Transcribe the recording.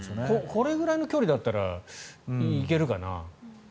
これくらいの距離だったらいけるかな。